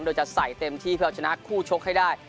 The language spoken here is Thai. โดยจะใส่เต็มที่เพื่อชนะคู่ชกให้ได้